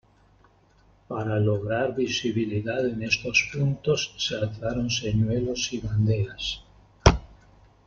Para lograr visibilidad en estos puntos, se alzaron señuelos y banderas.